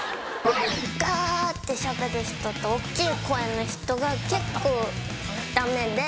ガってしゃべる人と大っきい声の人が結構ダメで。